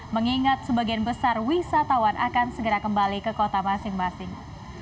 mengingat sebagian besar wisatawan akan segera kembali ke kota masing masing